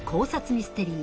ミステリー